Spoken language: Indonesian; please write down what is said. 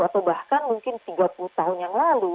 atau bahkan mungkin tiga puluh tahun yang lalu